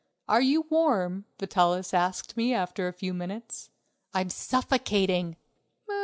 "Are you warm?" Vitalis asked me after a few minutes. "I'm suffocating."